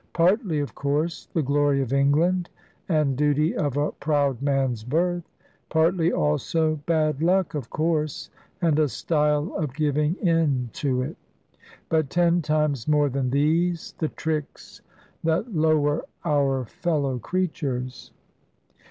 Partly, of course, the glory of England, and duty of a proud man's birth; partly also bad luck of course, and a style of giving in to it; but ten times more than these, the tricks that lower our fellow creatures.